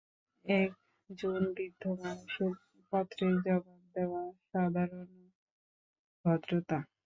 এক জুন বৃদ্ধ মানুষের পত্রের জবাব দেওয়া সাধারণ ভদ্রতা।